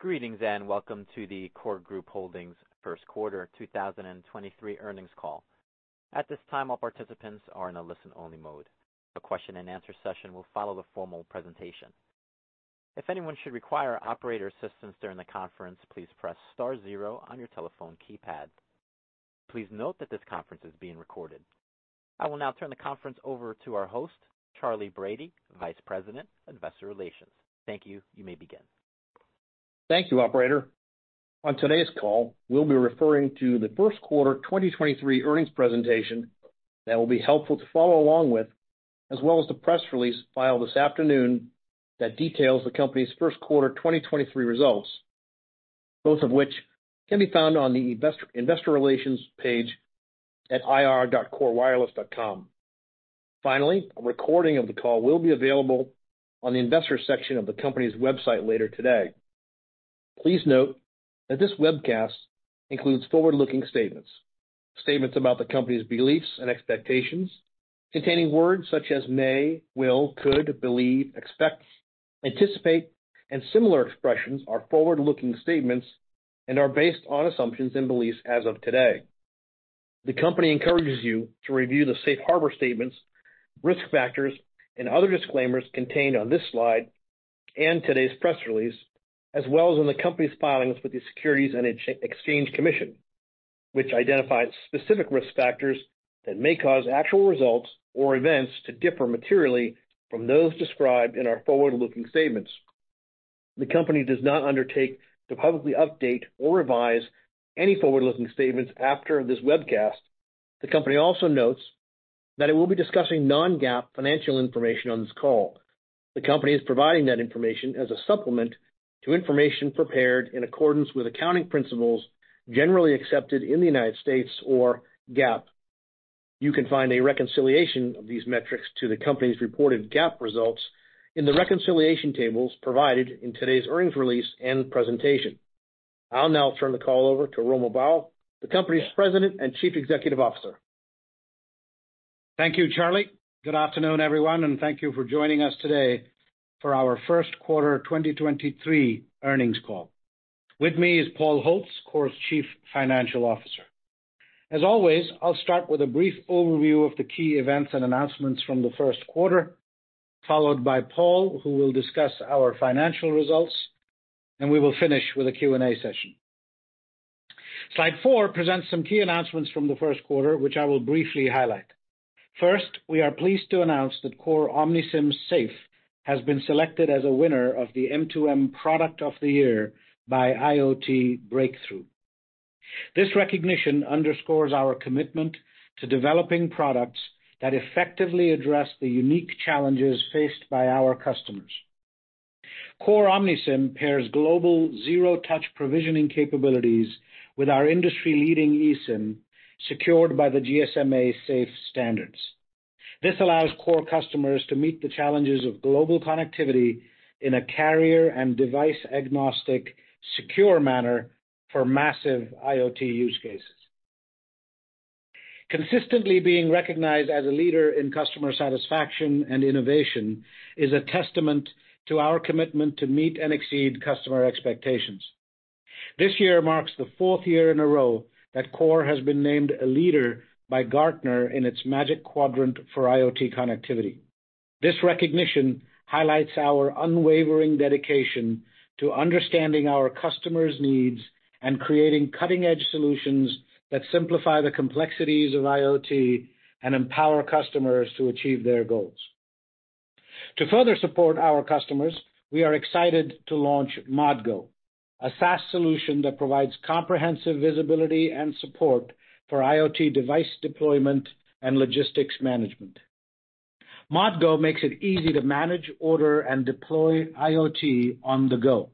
Greetings, welcome to the KORE Group Holdings Q1 2023 earnings call. At this time, all participants are in a listen-only mode. A question and answer session will follow the formal presentation. If anyone should require operator assistance during the conference, please press star zero on your telephone keypad. Please note that this conference is being recorded. I will now turn the conference over to our host, Charley Brady, Vice President, Investor Relations. Thank you. You may begin. Thank you, operator. On today's call, we'll be referring to the Q1 2023 earnings presentation that will be helpful to follow along with, as well as the press release filed this afternoon that details the company's Q1 2023 results, both of which can be found on the investor relations page at ir.korewireless.com. Finally, a recording of the call will be available on the investor section of the company's website later today. Please note that this webcast includes forward-looking statements. Statements about the company's beliefs and expectations containing words such as may, will, could, believe, expect, anticipate, and similar expressions are forward-looking statements and are based on assumptions and beliefs as of today. The company encourages you to review the safe harbor statements, risk factors, and other disclaimers contained on this slide and today's press release, as well as in the company's filings with the Securities and Exchange Commission, which identifies specific risk factors that may cause actual results or events to differ materially from those described in our forward-looking statements. The company does not undertake to publicly update or revise any forward-looking statements after this webcast. The company also notes that it will be discussing non-GAAP financial information on this call. The company is providing that information as a supplement to information prepared in accordance with accounting principles generally accepted in the United States or GAAP. You can find a reconciliation of these metrics to the company's reported GAAP results in the reconciliation tables provided in today's earnings release and presentation. I'll now turn the call over to Romil Bahl, the company's President and Chief Executive Officer. Thank you, Charlie. Good afternoon, everyone, thank you for joining us today for our Q1 2023 earnings call. With me is Paul Holtz, KORE's Chief Financial Officer. As always, I'll start with a brief overview of the key events and announcements from the Q1, followed by Paul, who will discuss our financial results, we will finish with a Q&A session. Slide four presents some key announcements from the Q1, which I will briefly highlight. First, we are pleased to announce that KORE OmniSIM SAFE has been selected as a winner of the M2M Product of the Year by IoT Breakthrough. This recognition underscores our commitment to developing products that effectively address the unique challenges faced by our customers. KORE OmniSIM pairs global zero-touch provisioning capabilities with our industry-leading eSIM secured by the GSMA SAFE standards. This allows KORE customers to meet the challenges of global connectivity in a carrier and device-agnostic, secure manner for massive IoT use cases. Consistently being recognized as a leader in customer satisfaction and innovation is a testament to our commitment to meet and exceed customer expectations. This year marks the fourth year in a row that KORE has been named a leader by Gartner in its Magic Quadrant for IoT Connectivity. This recognition highlights our unwavering dedication to understanding our customers' needs and creating cutting-edge solutions that simplify the complexities of IoT and empower customers to achieve their goals. To further support our customers, we are excited to launch MODGo, a SaaS solution that provides comprehensive visibility and support for IoT device deployment and logistics management. MODGo makes it easy to manage, order, and deploy IoT on the go,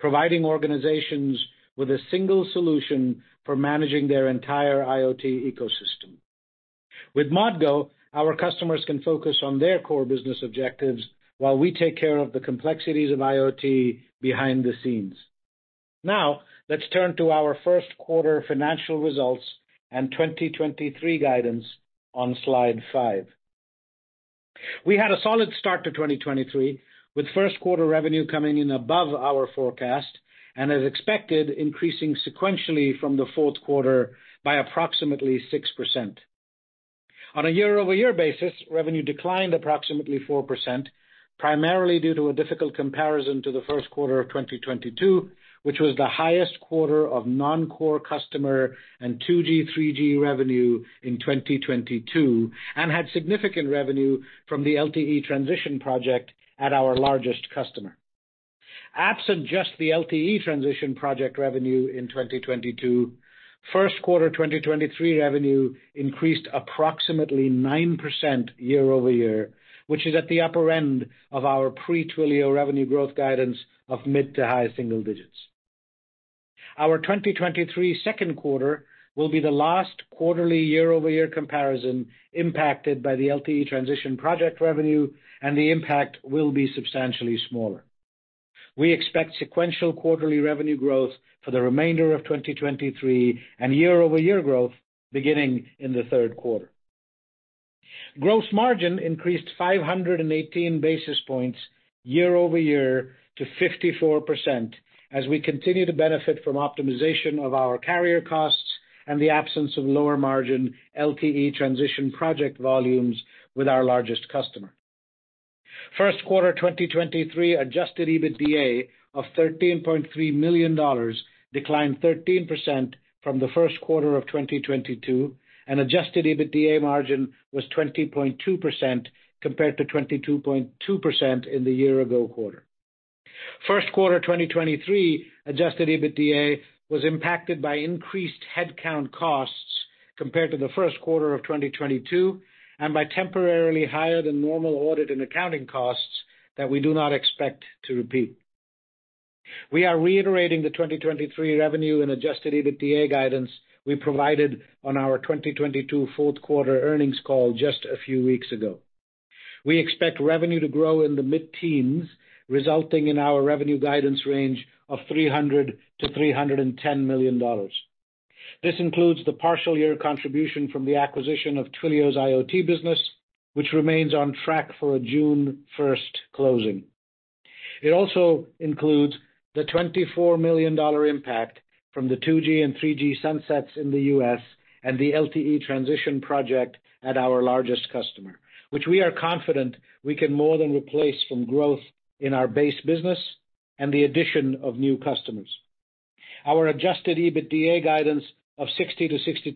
providing organizations with a single solution for managing their entire IoT ecosystem. With MODGo, our customers can focus on their core business objectives while we take care of the complexities of IoT behind the scenes. Now, let's turn to our Q1 financial results and 2023 guidance on slide 5. We had a solid start to 2023, with Q1 revenue coming in above our forecast and as expected, increasing sequentially from the Q4 by approximately 6%. On a year-over-year basis, revenue declined approximately 4%, primarily due to a difficult comparison to the Q1 of 2022, which was the highest quarter of non-KORE customer and 2G 3G revenue in 2022 and had significant revenue from the LTE transition project at our largest customer. Absent just the LTE transition project revenue in 2022, Q1 2023 revenue increased approximately 9% year-over-year, which is at the upper end of our pre-Twilio revenue growth guidance of mid to high single digits. Our 2023 Q2 will be the last quarterly year-over-year comparison impacted by the LTE transition project revenue, the impact will be substantially smaller. We expect sequential quarterly revenue growth for the remainder of 2023 and year-over-year growth beginning in the Q3. gross margin increased 518 basis points year-over-year to 54% as we continue to benefit from optimization of our carrier costs and the absence of lower margin LTE transition project volumes with our largest customer. Q1 2023 Adjusted EBITDA of $13.3 million declined 13% from the Q1 of 2022, and Adjusted EBITDA margin was 20.2% compared to 22.2% in the year-ago quarter. Q1 2023 Adjusted EBITDA was impacted by increased headcount costs compared to the Q1 of 2022, and by temporarily higher than normal audit and accounting costs that we do not expect to repeat. We are reiterating the 2023 revenue and Adjusted EBITDA guidance we provided on our 2022 Q4 earnings call just a few weeks ago. We expect revenue to grow in the mid-teens, resulting in our revenue guidance range of $300 million-$310 million. This includes the partial year contribution from the acquisition of Twilio's IoT business, which remains on track for a June first closing. It also includes the $24 million impact from the 2G and 3G sunsets in the U.S. and the LTE transition project at our largest customer, which we are confident we can more than replace from growth in our base business and the addition of new customers. Our Adjusted EBITDA guidance of $60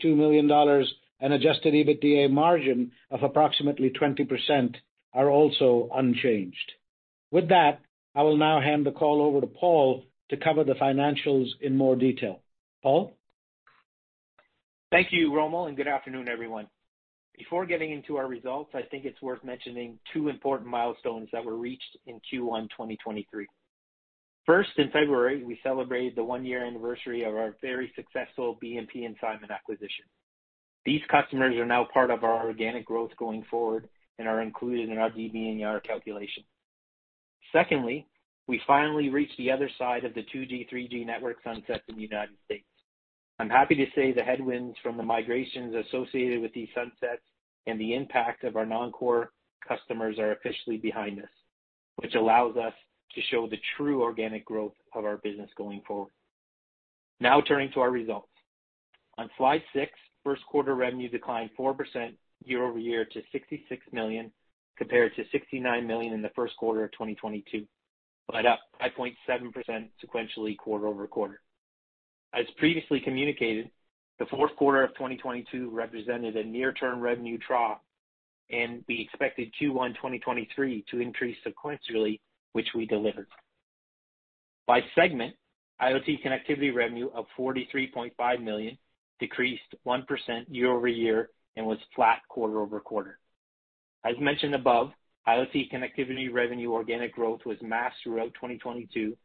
million-$62 million and Adjusted EBITDA margin of approximately 20% are also unchanged. With that, I will now hand the call over to Paul to cover the financials in more detail. Paul. Thank you, Romil. Good afternoon, everyone. Before getting into our results, I think it's worth mentioning two important milestones that were reached in Q1 2023. First, in February, we celebrated the 1-year anniversary of our very successful BMP and Simon acquisition. These customers are now part of our organic growth going forward and are included in our DBNER calculation. Secondly, we finally reached the other side of the 2G, 3G network sunset in the United States. I'm happy to say the headwinds from the migrations associated with these sunsets and the impact of our non-core customers are officially behind us, which allows us to show the true organic growth of our business going forward. Turning to our results. On Slide 6, Q1 revenue declined 4% year-over-year to $66 million, compared to $69 million in the Q1 of 2022. Up by 0.7% sequentially quarter-over-quarter. As previously communicated, the Q4 of 2022 represented a near-term revenue trough. We expected Q1 2023 to increase sequentially, which we delivered. By segment, IoT Connectivity revenue of $43.5 million decreased 1% year-over-year and was flat quarter-over-quarter. As mentioned above, IoT Connectivity revenue organic growth was masked throughout 2022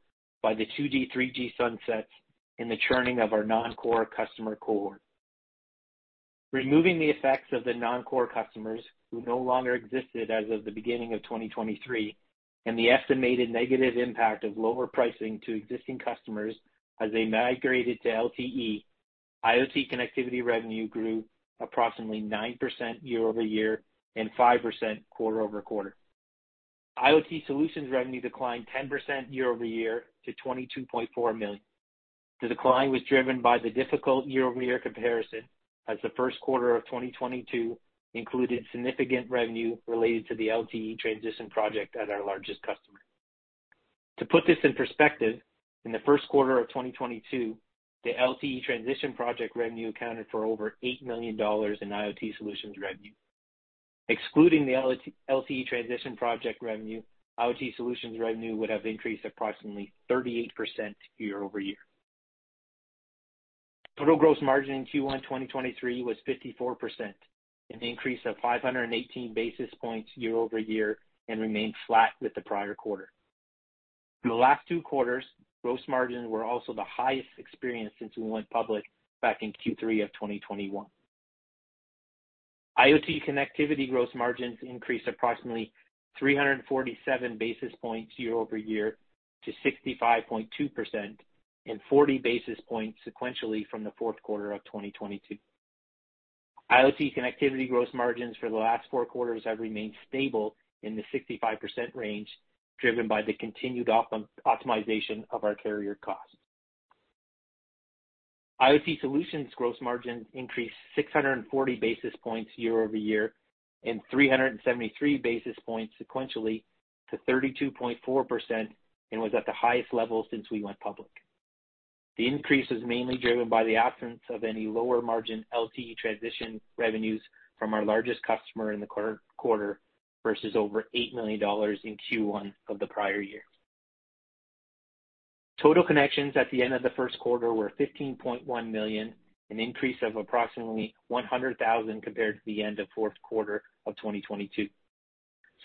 by the 2G, 3G sunsets and the churning of our non-core customer cohort. Removing the effects of the non-core customers who no longer existed as of the beginning of 2023 and the estimated negative impact of lower pricing to existing customers as they migrated to LTE, IoT Connectivity revenue grew approximately 9% year-over-year and 5% quarter-over-quarter. IoT Solutions revenue declined 10% year-over-year to $22.4 million. The decline was driven by the difficult year-over-year comparison as the Q1 of 2022 included significant revenue related to the LTE transition project at our largest customer. To put this in perspective, in the Q1 of 2022, the LTE transition project revenue accounted for over $8 million in IoT Solutions revenue. Excluding the LTE transition project revenue, IoT Solutions revenue would have increased approximately 38% year-over-year. Total gross margin in Q1 2023 was 54%, an increase of 518 basis points year-over-year and remained flat with the prior quarter. In the last two quarters, gross margins were also the highest experienced since we went public back in Q3 2021. IoT Connectivity gross margins increased approximately 347 basis points year-over-year to 65.2% and 40 basis points sequentially from the Q4 of 2022. IoT Connectivity gross margins for the last four quarters have remained stable in the 65% range, driven by the continued optimization of our carrier costs. IoT Solutions gross margin increased 640 basis points year-over-year and 373 basis points sequentially to 32.4% and was at the highest level since we went public. The increase is mainly driven by the absence of any lower margin LTE transition revenues from our largest customer in the current quarter versus over $8 million in Q1 of the prior year. Total connections at the end of the Q1 were 15.1 million, an increase of approximately 100,000 compared to the end of Q4 of 2022.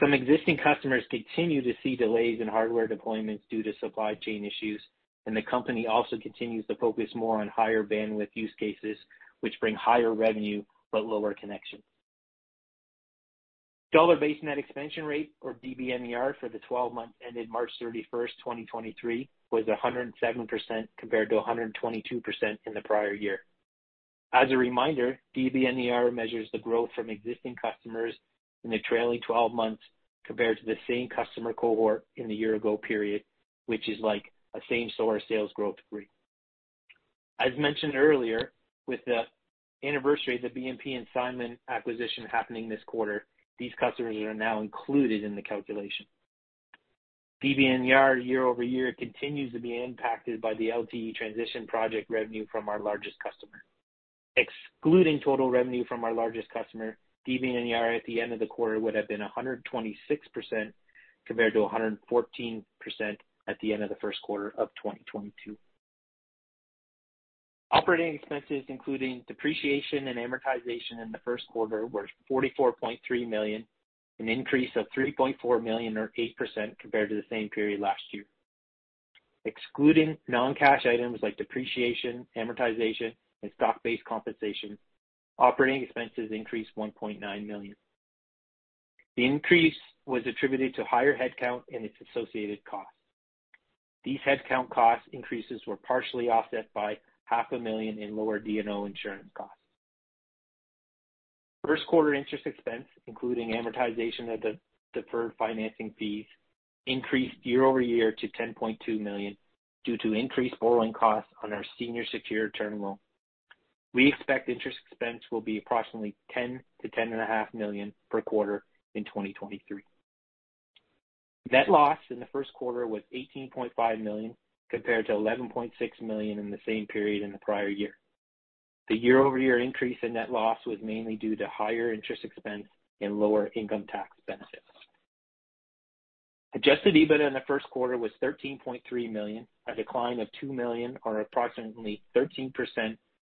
Some existing customers continue to see delays in hardware deployments due to supply chain issues. The company also continues to focus more on higher bandwidth use cases, which bring higher revenue but lower connection. Dollar Based Net Expansion Rate or DBNER for the 12 months ended March 31st, 2023 was 107% compared to 122% in the prior year. As a reminder, DBNER measures the growth from existing customers in the trailing 12 months compared to the same customer cohort in the year-ago period, which is like a same-store sales growth rate. As mentioned earlier, with the anniversary of the BMP and Simon IoT acquisition happening this quarter, these customers are now included in the calculation. DBNER year-over-year continues to be impacted by the LTE transition project revenue from our largest customer. Excluding total revenue from our largest customer, DBNER at the end of the quarter would have been 126% compared to 114% at the end of the Q1 of 2022. Operating expenses, including depreciation and amortization in the Q1, were $44.3 million, an increase of $3.4 million or 8% compared to the same period last year. Excluding non-cash items like depreciation, amortization, and stock-based compensation, operating expenses increased $1.9 million. The increase was attributed to higher headcount and its associated costs. These headcount cost increases were partially offset by half a million in lower D&O insurance costs. Q1 interest expense, including amortization of the deferred financing fees, increased year-over-year to $10.2 million due to increased borrowing costs on our senior secured term loan. We expect interest expense will be approximately $10 million-$10.5 million per quarter in 2023. Net loss in the Q1 was $18.5 million compared to $11.6 million in the same period in the prior year. The year-over-year increase in net loss was mainly due to higher interest expense and lower income tax benefits. Adjusted EBITDA in the Q1 was $13.3 million, a decline of $2 million, or approximately 13%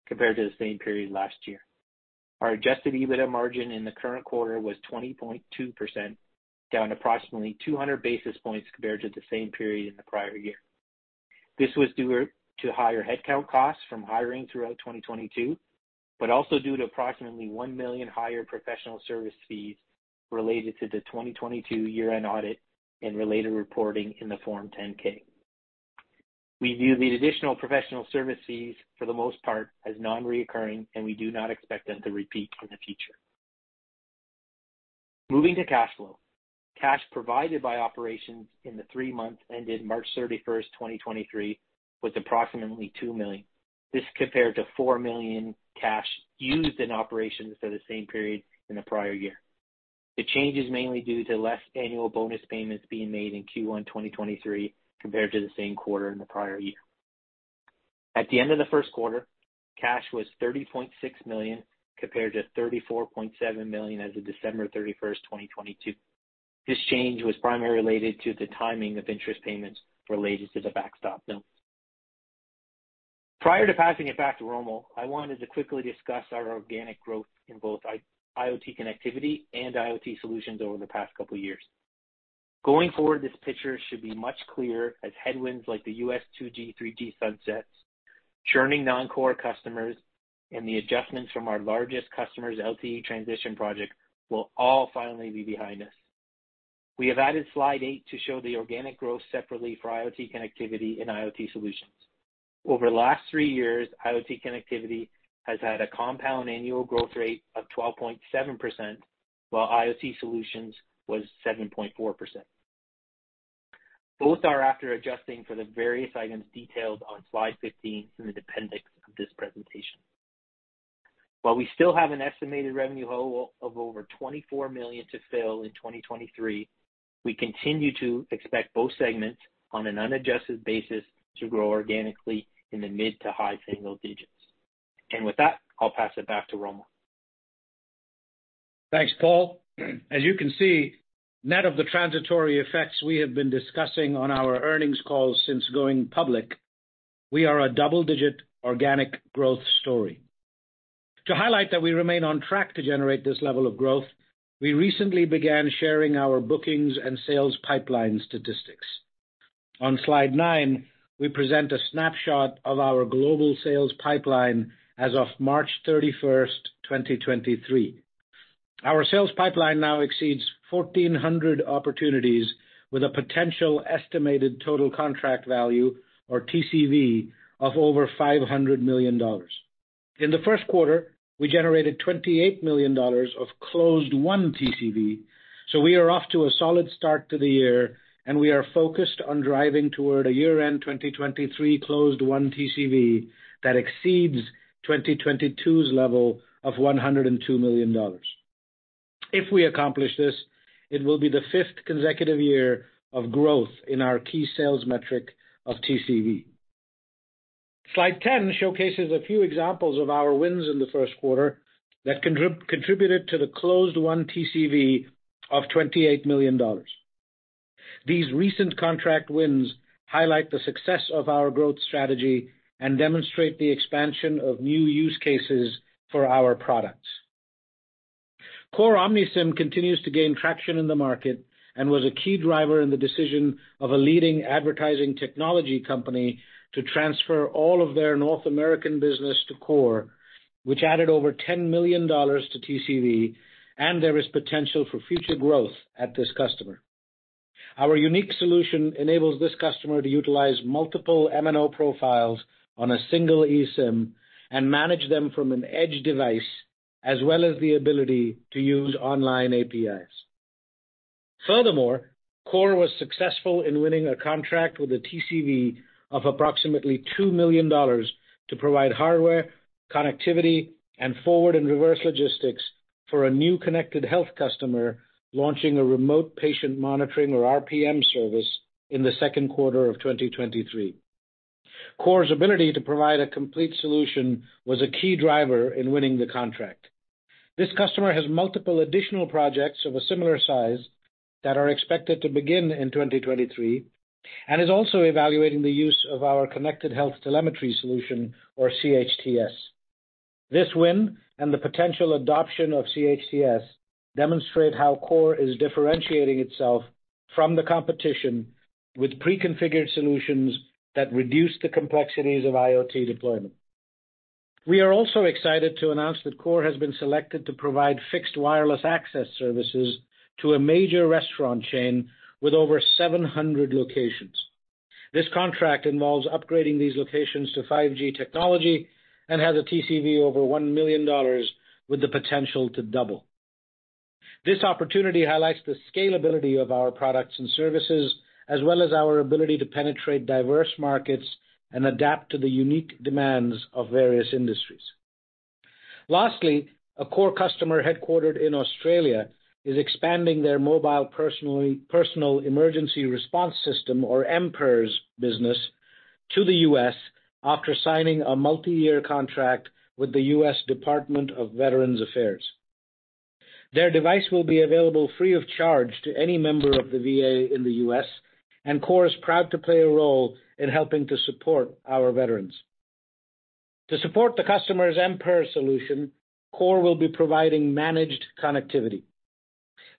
compared to the same period last year. Our Adjusted EBITDA margin in the current quarter was 20.2%, down approximately 200 basis points compared to the same period in the prior year. This was due to higher headcount costs from hiring throughout 2022, also due to approximately $1 million higher professional service fees related to the 2022 year-end audit and related reporting in the Form 10-K. We view these additional professional service fees for the most part as non-recurring, We do not expect them to repeat in the future. Moving to cash flow. Cash provided by operations in the three months ended March 31st, 2023, was approximately $2 million. This compared to $4 million cash used in operations for the same period in the prior year. The change is mainly due to less annual bonus payments being made in Q1 2023 compared to the same quarter in the prior year. At the end of the Q1, cash was $30.6 million compared to $34.7 million as of December 31, 2022. This change was primarily related to the timing of interest payments related to the Backstop note. Prior to passing it back to Romil, I wanted to quickly discuss our organic growth in both IoT Connectivity and IoT Solutions over the past couple years. Going forward, this picture should be much clearer as headwinds like the U.S. 2G, 3G sunsets, churning non-core customers, and the adjustments from our largest customers' LTE transition project will all finally be behind us. We have added Slide 8 to show the organic growth separately for IoT Connectivity and IoT Solutions. Over the last three years, IoT Connectivity has had a compound annual growth rate of 12.7%, while IoT Solutions was 7.4%. Both are after adjusting for the various items detailed on slide 15 in the appendix of this presentation. We still have an estimated revenue hole of over $24 million to fill in 2023, we continue to expect both segments on an unadjusted basis to grow organically in the mid to high single digits. With that, I'll pass it back to Romil. Thanks, Paul. As you can see, net of the transitory effects we have been discussing on our earnings calls since going public, we are a double-digit organic growth story. To highlight that we remain on track to generate this level of growth, we recently began sharing our bookings and sales pipeline statistics. On Slide 9, we present a snapshot of our global sales pipeline as of March 31st, 2023. Our sales pipeline now exceeds 1,400 opportunities with a potential estimated total contract value or TCV of over $500 million. In the Q1, we generated $28 million of closed one TCV, so we are off to a solid start to the year and we are focused on driving toward a year-end 2023 closed one TCV that exceeds 2022's level of $102 million. If we accomplish this, it will be the fifth consecutive year of growth in our key sales metric of TCV. Slide 10 showcases a few examples of our wins in the Q1 that contributed to the closed one TCV of $28 million. These recent contract wins highlight the success of our growth strategy and demonstrate the expansion of new use cases for our products. KORE OmniSIM continues to gain traction in the market and was a key driver in the decision of a leading advertising technology company to transfer all of their North American business to KORE, which added over $10 million to TCV, and there is potential for future growth at this customer. Our unique solution enables this customer to utilize multiple MNO profiles on a single eSIM and manage them from an edge device, as well as the ability to use online APIs. Furthermore, KORE was successful in winning a contract with a TCV of approximately $2 million to provide hardware, connectivity, and forward and reverse logistics for a new connected health customer launching a remote patient monitoring, or RPM, service in the Q2 of 2023. KORE's ability to provide a complete solution was a key driver in winning the contract. This customer has multiple additional projects of a similar size that are expected to begin in 2023 and is also evaluating the use of our Connected Health Telemetry Solution or CHTS. This win and the potential adoption of CHTS demonstrate how KORE is differentiating itself from the competition with pre-configured solutions that reduce the complexities of IoT deployment. We are also excited to announce that KORE has been selected to provide fixed wireless access services to a major restaurant chain with over 700 locations. This contract involves upgrading these locations to 5G technology and has a TCV over $1 million with the potential to double. This opportunity highlights the scalability of our products and services, as well as our ability to penetrate diverse markets and adapt to the unique demands of various industries. Lastly, a KORE customer headquartered in Australia is expanding their mobile personal emergency response system, or mPERS, business to the U.S. after signing a multi-year contract with the U.S. Department of Veterans Affairs. Their device will be available free of charge to any member of the VA in the U.S. KORE is proud to play a role in helping to support our veterans. To support the customer's mPERS solution, KORE will be providing managed connectivity.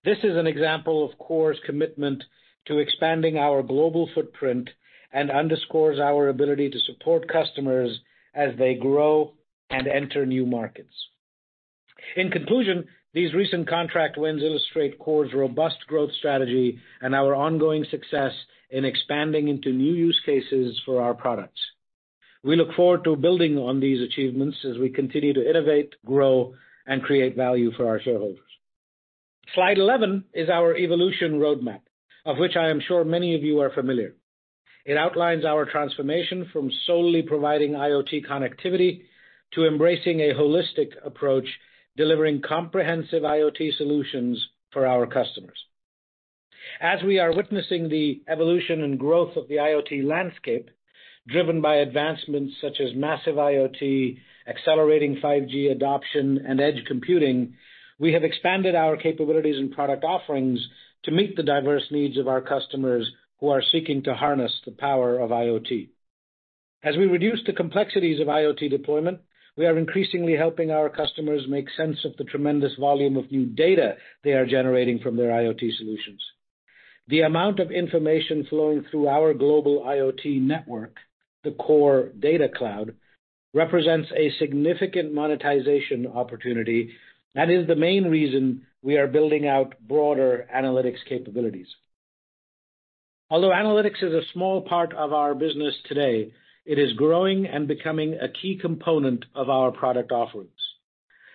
This is an example of KORE's commitment to expanding our global footprint and underscores our ability to support customers as they grow and enter new markets. In conclusion, these recent contract wins illustrate KORE's robust growth strategy and our ongoing success in expanding into new use cases for our products. We look forward to building on these achievements as we continue to innovate, grow, and create value for our shareholders. Slide 11 is our evolution roadmap, of which I am sure many of you are familiar. It outlines our transformation from solely providing IoT connectivity to embracing a holistic approach, delivering comprehensive IoT solutions for our customers. As we are witnessing the evolution and growth of the IoT landscape, driven by advancements such as massive IoT, accelerating 5G adoption, and edge computing, we have expanded our capabilities and product offerings to meet the diverse needs of our customers who are seeking to harness the power of IoT. As we reduce the complexities of IoT deployment, we are increasingly helping our customers make sense of the tremendous volume of new data they are generating from their IoT solutions. The amount of information flowing through our global IoT network, the KORE Data Cloud, represents a significant monetization opportunity and is the main reason we are building out broader analytics capabilities. Although analytics is a small part of our business today, it is growing and becoming a key component of our product offerings.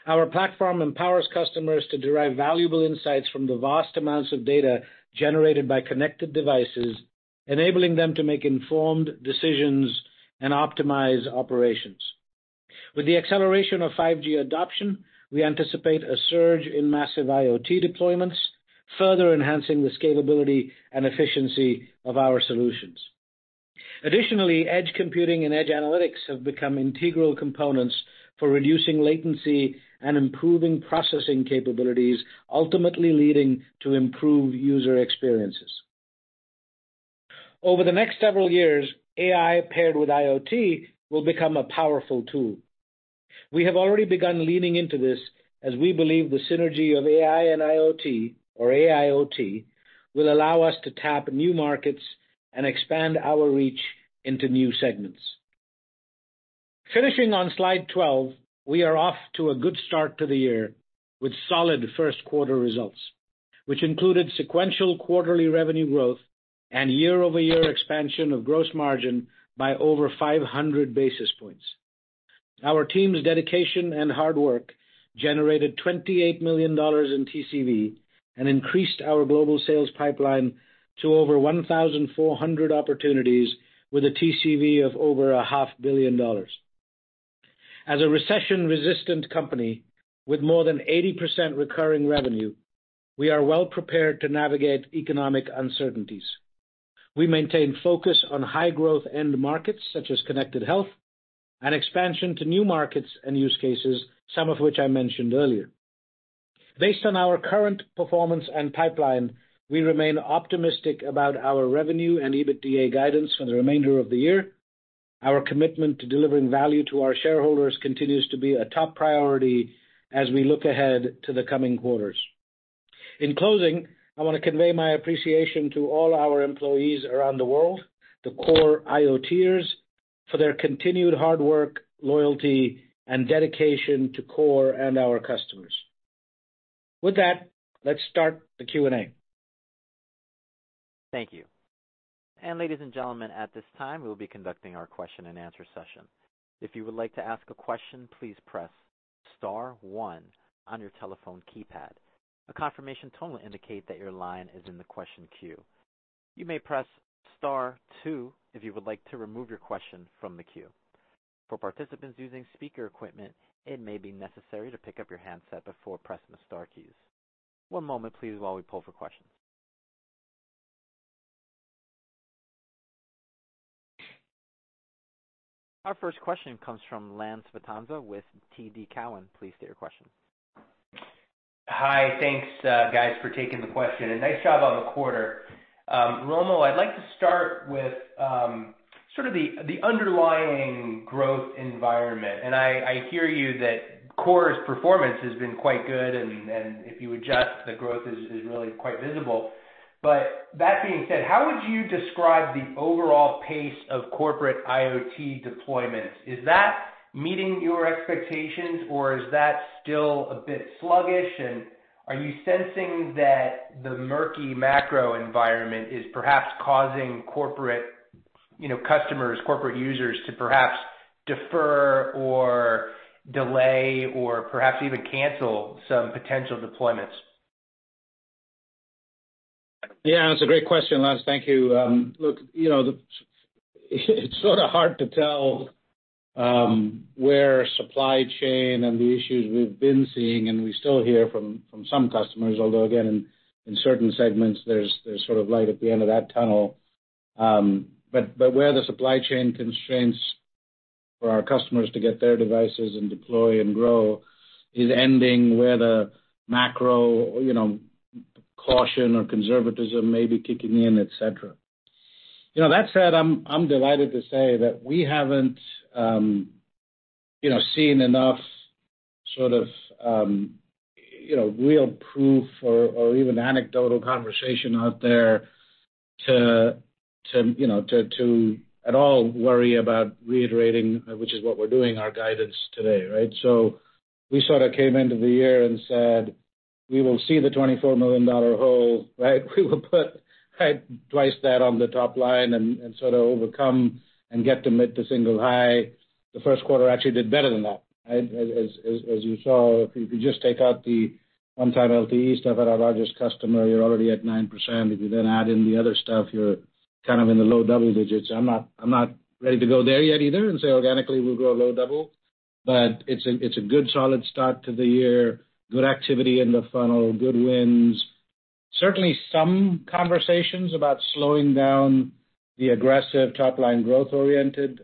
Our platform empowers customers to derive valuable insights from the vast amounts of data generated by connected devices, enabling them to make informed decisions and optimize operations. With the acceleration of 5G adoption, we anticipate a surge in massive IoT deployments, further enhancing the scalability and efficiency of our solutions. Additionally, edge computing and edge analytics have become integral components for reducing latency and improving processing capabilities, ultimately leading to improved user experiences. Over the next several years, AI paired with IoT will become a powerful tool. We have already begun leaning into this as we believe the synergy of AI and IoT or AIoT will allow us to tap new markets and expand our reach into new segments. Finishing on slide 12, we are off to a good start to the year with solid Q1 results, which included sequential quarterly revenue growth and year-over-year expansion of gross margin by over 500 basis points. Our team's dedication and hard work generated $28 million in TCV and increased our global sales pipeline to over 1,400 opportunities with a TCV of over a half billion dollars. As a recession-resistant company with more than 80% recurring revenue, we are well-prepared to navigate economic uncertainties. We maintain focus on high-growth end markets such as connected health and expansion to new markets and use cases, some of which I mentioned earlier. Based on our current performance and pipeline, we remain optimistic about our revenue and EBITDA guidance for the remainder of the year. Our commitment to delivering value to our shareholders continues to be a top priority as we look ahead to the coming quarters. In closing, I want to convey my appreciation to all our employees around the world, the KORE IoTers, for their continued hard work, loyalty, and dedication to KORE and our customers. With that, let's start the Q&A. Thank you. Ladies and gentlemen, at this time, we'll be conducting our question-and-answer session. If you would like to ask a question, please press star one on your telephone keypad. A confirmation tone will indicate that your line is in the question queue. You may press star two if you would like to remove your question from the queue. For participants using speaker equipment, it may be necessary to pick up your handset before pressing the star keys. One moment please while we pull for questions. Our first question comes from Lance Vitanza with TD Cowen. Please state your question. Hi. Thanks, guys, for taking the question and nice job on the quarter. Romil, I'd like to start with, sort of the underlying growth environment. I hear you that KORE's performance has been quite good and if you adjust, the growth is really quite visible. That being said, how would you describe the overall pace of corporate IoT deployments? Is that meeting your expectations or is that still a bit sluggish? Are you sensing that the murky macro environment is perhaps causing corporate, you know, customers, corporate users to perhaps defer or delay or perhaps even cancel some potential deployments? Yeah, it's a great question, Lance. Thank you. Look, you know, it's sort of hard to tell where supply chain and the issues we've been seeing, and we still hear from some customers, although again, in certain segments there's sort of light at the end of that tunnel. Where the supply chain constraints for our customers to get their devices and deploy and grow is ending where the macro, you know, caution or conservatism may be kicking in, et cetera. You know, that said, I'm delighted to say that we haven't, you know, seen enough sort of, you know, real proof or even anecdotal conversation out there to, you know, to at all worry about reiterating, which is what we're doing our guidance today, right? We sort of came into the year and said, we will see the $24 million hole, right? We will put, right, twice that on the top line and sort of overcome and get to mid to single high. The Q1 actually did better than that, right? As you saw, if you just take out the one-time LTE stuff at our largest customer, you're already at 9%. If you add in the other stuff, you're kind of in the low double digits. I'm not ready to go there yet either and say, organically, we'll grow low double. It's a good solid start to the year. Good activity in the funnel, good wins. Certainly some conversations about slowing down the aggressive top-line growth-oriented,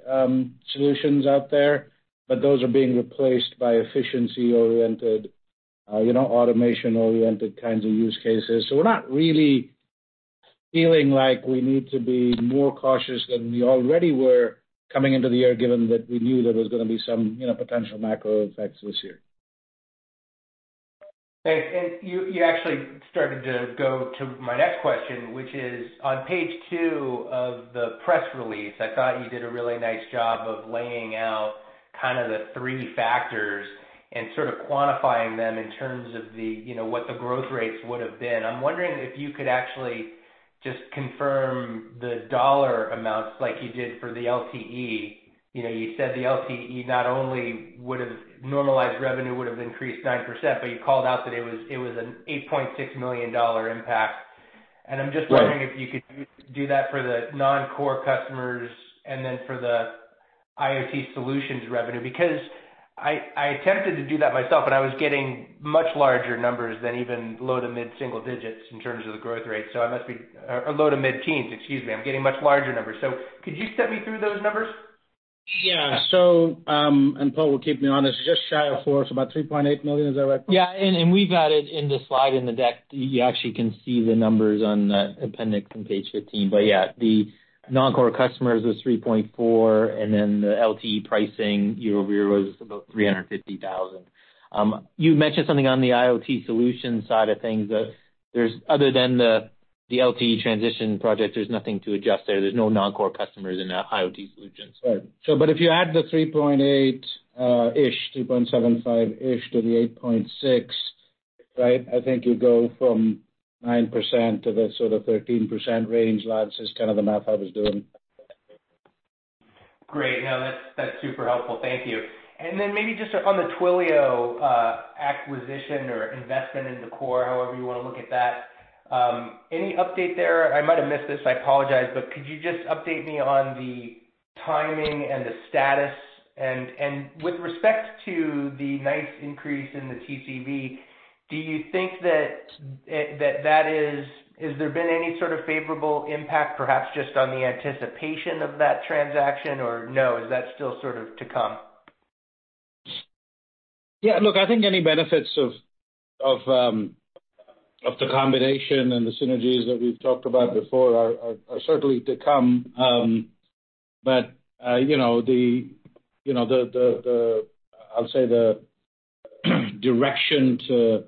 solutions out there. Those are being replaced by efficiency-oriented, you know, automation-oriented kinds of use cases. We're not really feeling like we need to be more cautious than we already were coming into the year, given that we knew there was gonna be some, you know, potential macro effects this year. Thanks. You, you actually started to go to my next question, which is on page 2 of the press release, I thought you did a really nice job of laying out kind of the 3 factors and sort of quantifying them in terms of the, you know, what the growth rates would have been. I'm wondering if you could actually just confirm the dollar amounts like you did for the LTE. You know, you said the LTE not only normalized revenue would have increased 9%, but you called out that it was an $8.6 million impact. Right. I'm just wondering if you could do that for the non-core customers and then for the IoT Solutions revenue, because I attempted to do that myself and I was getting much larger numbers than even low to mid-single digits in terms of the growth rate. I must be or low to mid-teens, excuse me. I'm getting much larger numbers. Could you step me through those numbers? Yeah. Paul will keep me honest. Just shy of 4, so about $3.8 million. Is that right, Paul? We've got it in the slide in the deck. You actually can see the numbers on the appendix on page 15. The non-core customers was 3.4, and then the LTE pricing year-over-year was about $350,000. You mentioned something on the IoT solution side of things. Other than the LTE transition project, there's nothing to adjust there. There's no non-core customers in the IoT Solutions. Right. If you add the 3.8 ish, 2.75 ish to the 8.6, right, I think you go from 9% to the sort of 13% range, Lance. That's kind of the math I was doing. Great. No, that's super helpful. Thank you. Then maybe just on the Twilio acquisition or investment into KORE, however you wanna look at that, any update there? I might have missed this, I apologize, but could you just update me on the timing and the status? With respect to the nice increase in the TCV, do you think that is, has there been any sort of favorable impact, perhaps just on the anticipation of that transaction, or no, is that still sort of to come? Yeah, look, I think any benefits of the combination and the synergies that we've talked about before are certainly to come. Direction to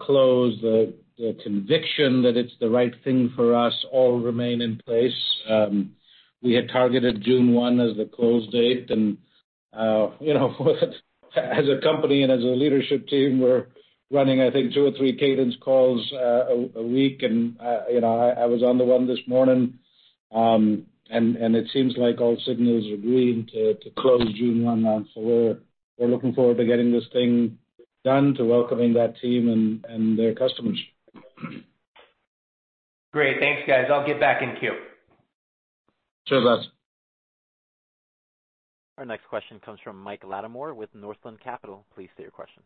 close the conviction that it's the right thing for us all remain in place. We had targeted June 1 as the close date and as a company and as a leadership team, we're running, I think, two or three cadence calls a week. I was on the one this morning, and it seems like all signals are green to close June 1 now. We're looking forward to getting this thing done, to welcoming that team and their customers. Great. Thanks, guys. I'll get back in queue. Sure, bud. Our next question comes from Mike Latimore with Northland Capital. Please state your question.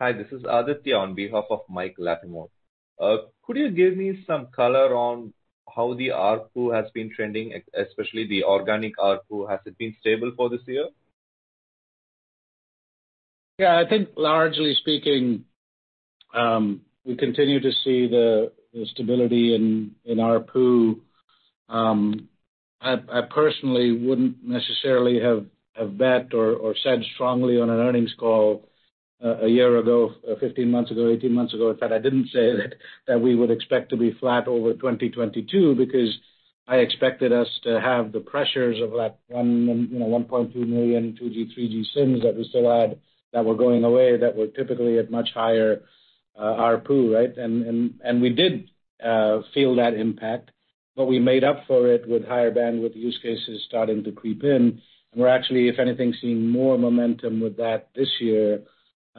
Hi, this is Aditya on behalf of Mike Latimore. Could you give me some color on how the ARPU has been trending, especially the organic ARPU? Has it been stable for this year? Yeah, I think largely speaking, we continue to see the stability in ARPU. I personally wouldn't necessarily have bet or said strongly on an earnings call a year ago, or 15 months ago, 18 months ago, in fact, I didn't say that that we would expect to be flat over 2022 because I expected us to have the pressures of that one, you know, 1.2 million 2G, 3G SIMs that we still had that were going away that were typically at much higher, ARPU, right?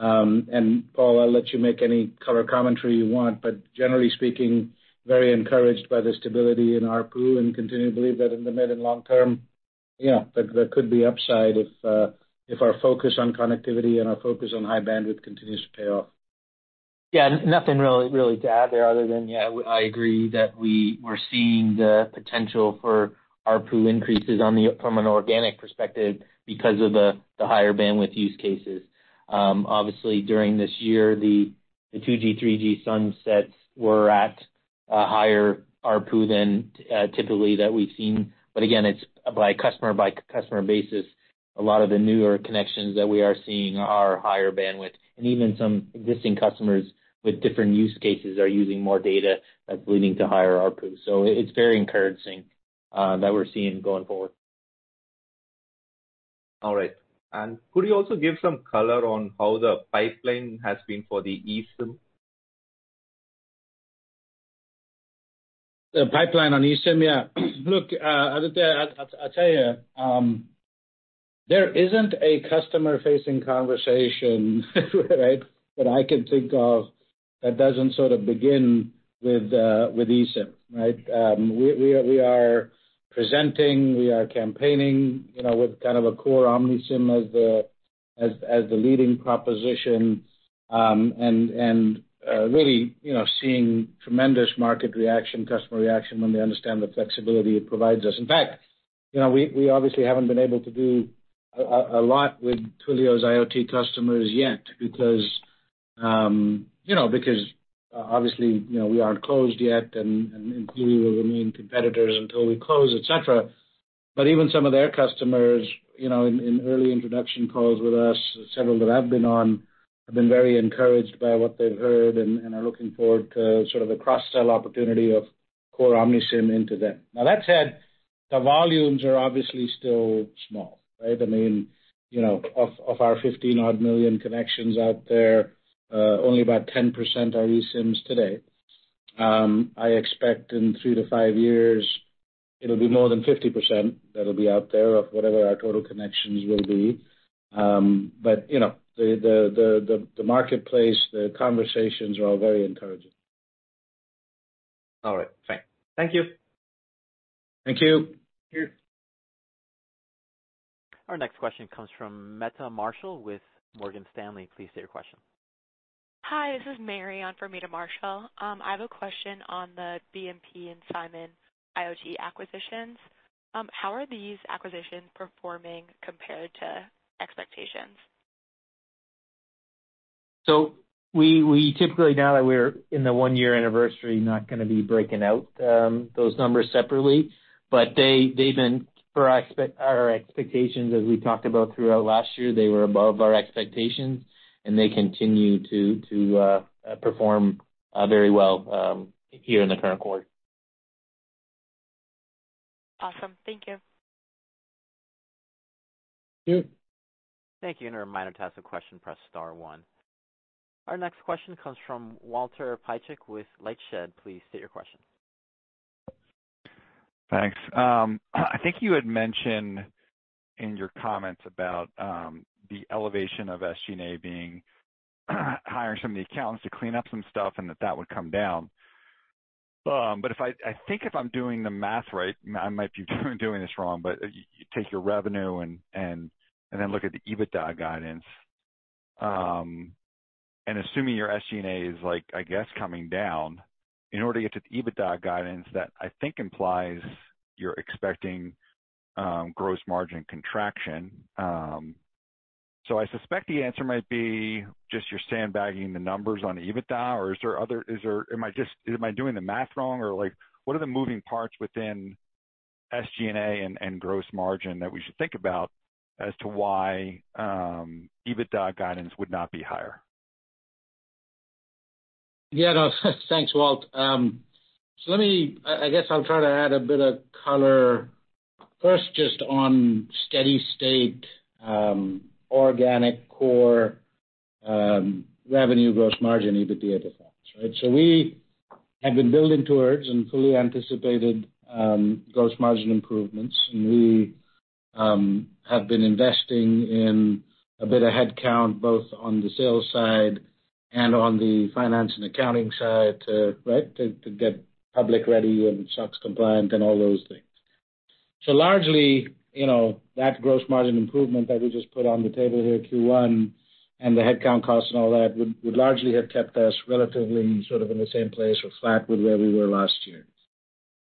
We did feel that impact, but we made up for it with higher bandwidth use cases starting to creep in. We're actually, if anything, seeing more momentum with that this year. Paul, I'll let you make any color commentary you want, but generally speaking, very encouraged by the stability in ARPU and continue to believe that in the mid and long term, yeah, that there could be upside if our focus on connectivity and our focus on high bandwidth continues to pay off. Yeah, nothing really, really to add there other than, yeah, I agree that we're seeing the potential for ARPU increases from an organic perspective because of the higher bandwidth use cases. Obviously, during this year, the 2G, 3G sunsets were at a higher ARPU than typically that we've seen. Again, it's by customer, by customer basis. A lot of the newer connections that we are seeing are higher bandwidth, and even some existing customers with different use cases are using more data that's leading to higher ARPU. It's very encouraging that we're seeing going forward. All right. Could you also give some color on how the pipeline has been for the eSIM? The pipeline on eSIM? Yeah. Look, Aditya, I'll tell you, there isn't a customer-facing conversation, right, that I can think of that doesn't sort of begin with eSIM, right? We are presenting, we are campaigning, you know, with kind of a KORE OmniSIM as the leading proposition, and really, you know, seeing tremendous market reaction, customer reaction when they understand the flexibility it provides us. In fact, you know, we obviously haven't been able to do a lot with Twilio's IoT customers yet because, you know, because obviously, you know, we aren't closed yet and Twilio will remain competitors until we close, et cetera. Even some of their customers, you know, in early introduction calls with us, several that I've been on, have been very encouraged by what they've heard and are looking forward to sort of the cross-sell opportunity of KORE OmniSIM into them. That said, the volumes are obviously still small, right? I mean, you know, of our 15 odd million connections out there, only about 10% are eSIMs today. I expect in three to five years it'll be more than 50% that'll be out there of whatever our total connections will be. You know, the, the marketplace, the conversations are all very encouraging. All right. Thank you. Thank you. Thank you. Our next question comes from Meta Marshall with Morgan Stanley. Please state your question. Hi, this is Mary on for Meta Marshall. I have a question on the BMP and SIMON IoT acquisitions. How are these acquisitions performing compared to expectations? We typically, now that we're in the 1-year anniversary, not gonna be breaking out those numbers separately, but they've been per our expectations as we talked about throughout last year, they were above our expectations and they continue to perform very well here in the current quarter. Awesome. Thank you. Thank you. Thank you. A reminder to ask a question, press star one. Our next question comes from Walter Piecyk with LightShed. Please state your question. Thanks. I think you had mentioned in your comments about the elevation of SG&A being hiring some of the accountants to clean up some stuff and that that would come down. If I think if I'm doing the math right, I might be doing this wrong, but you take your revenue and then look at the EBITDA guidance. Assuming your SG&A is like, I guess, coming down, in order to get to the EBITDA guidance that I think implies you're expecting gross margin contraction. I suspect the answer might be just you're sandbagging the numbers on EBITDA. Is there other? Is there? Am I just doing the math wrong? like, what are the moving parts within SG&A and gross margin that we should think about as to why EBITDA guidance would not be higher? Yeah. No, thanks, Walt. I guess I'll try to add a bit of color first, just on steady-state, organic KORE, revenue gross margin EBITDA defense, right? We have been building towards and fully anticipated gross margin improvements. We have been investing in a bit of headcount both on the sales side and on the finance and accounting side to, right, to get public ready and SOX compliant and all those things. Largely, you know, that gross margin improvement that we just put on the table here, Q1, and the headcount costs and all that would largely have kept us relatively sort of in the same place or flat with where we were last year.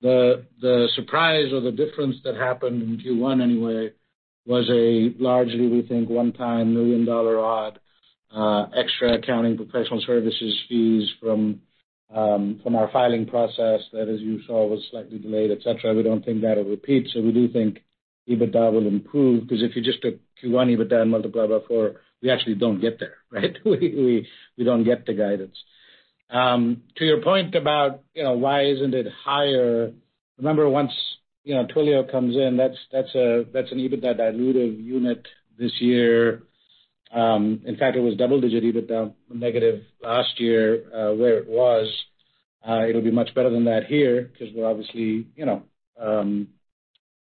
The surprise or the difference that happened in Q1 anyway, was a largely, we think, one-time $1 million-odd extra accounting professional services fees from our filing process that, as you saw, was slightly delayed, et cetera. We don't think that'll repeat. We do think EBITDA will improve, 'cause if you just took Q1 EBITDA and multiplied by 4, we actually don't get there, right? We don't get the guidance. To your point about, you know, why isn't it higher? Remember, once, you know, Twilio comes in, that's a, that's an EBITDA dilutive unit this year. In fact, it was double-digit EBITDA negative last year, where it was. It'll be much better than that here 'cause we're obviously, you know,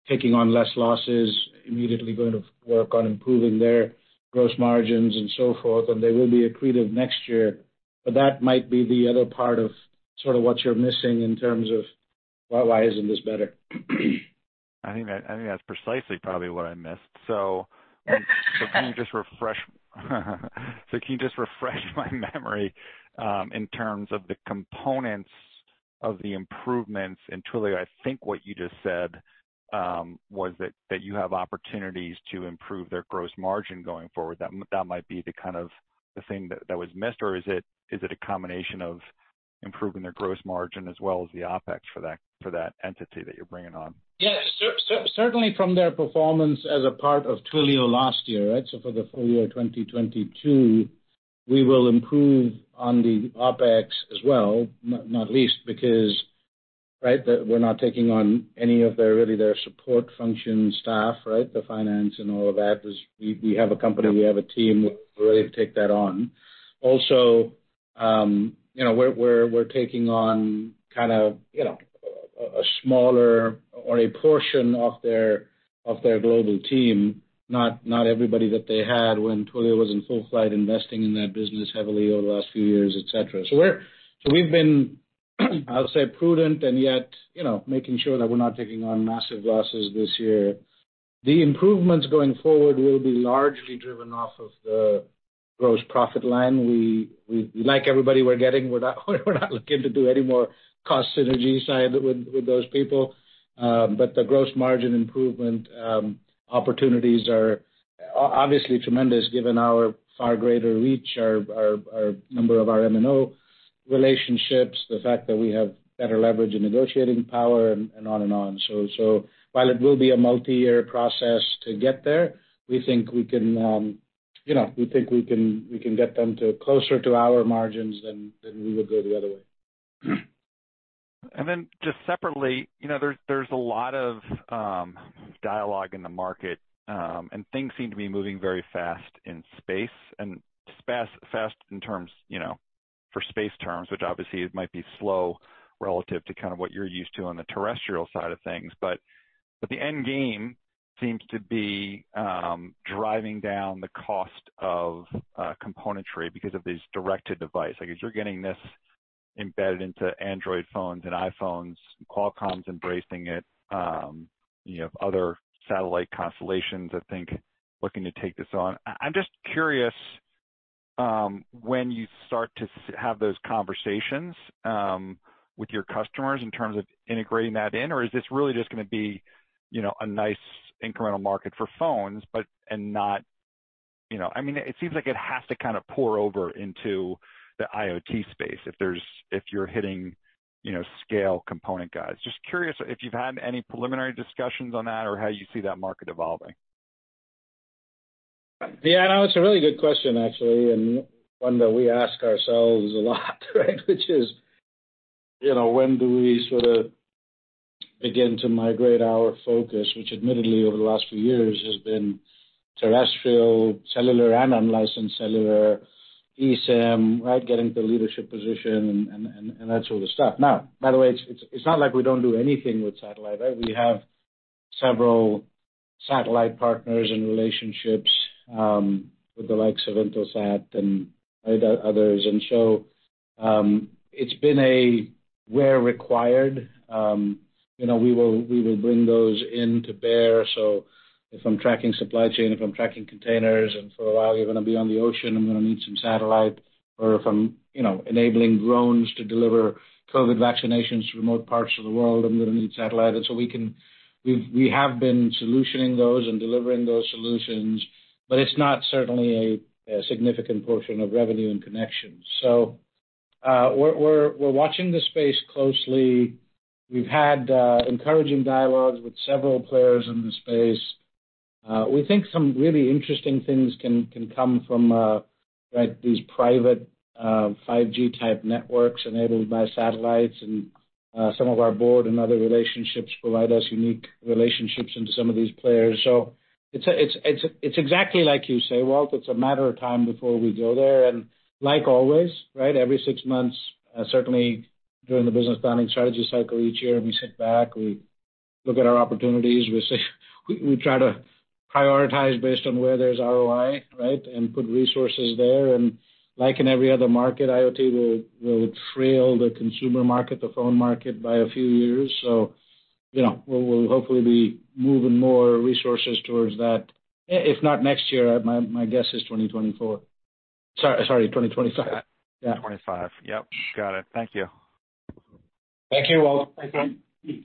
taking on less losses immediately going to work on improving their gross margins and so forth, and they will be accretive next year. That might be the other part of sort of what you're missing in terms of why isn't this better? I think that, I think that's precisely probably what I missed. Can you just refresh my memory, in terms of the components of the improvements in Twilio? I think what you just said, was that you have opportunities to improve their gross margin going forward. That might be the kind of the thing that was missed. Is it a combination of improving their gross margin as well as the OpEx for that, for that entity that you're bringing on? Yeah. Certainly from their performance as a part of Twilio last year, right? For the full year, 2022, we will improve on the OpEx as well, not least because, right? That we're not taking on any of their really their support function staff, right? The finance and all of that. 'Cause we have a company, we have a team who are ready to take that on. Also, you know, we're taking on kinda, you know, a smaller or a portion of their global team, not everybody that they had when Twilio was in full flight, investing in that business heavily over the last few years, et cetera. We've been, I'll say prudent and yet, you know, making sure that we're not taking on massive losses this year. The improvements going forward will be largely driven off of the gross profit line. We like everybody we're getting. We're not looking to do any more cost synergy side with those people. The gross margin improvement opportunities are obviously tremendous given our far greater reach, our number of our MNO relationships, the fact that we have better leverage and negotiating power and on and on. While it will be a multi-year process to get there, we think we can, you know, we can get them to closer to our margins than we would go the other way. Just separately, you know, there's a lot of dialogue in the market, and things seem to be moving very fast in space fast in terms, you know, for space terms, which obviously it might be slow relative to kind of what you're used to on the terrestrial side of things. The end game seems to be driving down the cost of componentry because of these directed device, like as you're getting this embedded into Android phones and iPhones, Qualcomm's embracing it. You have other satellite constellations, I think, looking to take this on. I'm just curious, when you start to have those conversations with your customers in terms of integrating that in, or is this really just gonna be, you know, a nice incremental market for phones, but not... You know, I mean, it seems like it has to kind of pour over into the IoT space if there's, if you're hitting, you know, scale component guys. Just curious if you've had any preliminary discussions on that or how you see that market evolving. Yeah. No, it's a really good question actually, and one that we ask ourselves a lot, right? Which is, you know, when do we sorta begin to migrate our focus, which admittedly over the last few years has been terrestrial, cellular, and unlicensed cellular, eSIM, right? Getting to a leadership position and that sort of stuff. By the way, it's not like we don't do anything with satellite, right? We have several satellite partners and relationships with the likes of Intelsat and other others. It's been a where required, you know, we will bring those in to bear. If I'm tracking supply chain, if I'm tracking containers, and for a while you're gonna be on the ocean, I'm gonna need some satellite. If I'm, you know, enabling drones to deliver COVID vaccinations to remote parts of the world, I'm gonna need satellite. We have been solutioning those and delivering those solutions, but it's not certainly a significant portion of revenue and connections. We're watching this space closely. We've had encouraging dialogues with several players in the space. We think some really interesting things can come from, right, these private 5G type networks enabled by satellites and some of our board and other relationships provide us unique relationships into some of these players. It's exactly like you say, Walt. It's a matter of time before we go there. Like always, right, every six months, certainly during the business planning strategy cycle each year, we sit back, we look at our opportunities, we try to prioritize based on where there's ROI, right? Put resources there. Like in every other market, IoT will trail the consumer market, the phone market by a few years. You know, we'll hopefully be moving more resources towards that, if not next year, my guess is 2024. Sorry, 2025. 2025. Yep. Got it. Thank you. Thank you, Walt. Thank you.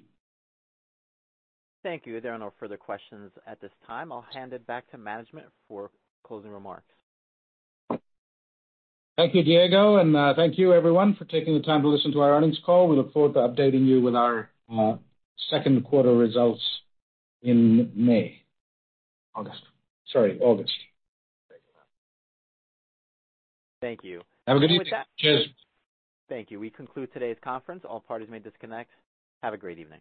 Thank you. There are no further questions at this time. I'll hand it back to management for closing remarks. Thank you, Diego, and thank you everyone for taking the time to listen to our earnings call. We look forward to updating you with our Q2 results in May. August. Sorry, August. Thank you. Have a good evening. Cheers. Thank you. We conclude today's conference. All parties may disconnect. Have a great evening.